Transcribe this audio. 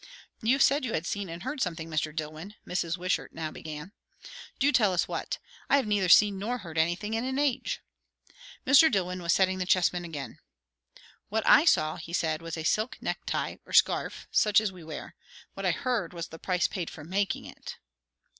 "You said you had seen and heard something, Mr. Dillwyn," Mrs. Wishart now began. "Do tell us what. I have neither seen nor heard anything in an age." Mr. Dillwyn was setting the chessmen again. "What I saw," he said, "was a silk necktie or scarf such as we wear. What I heard, was the price paid for making it."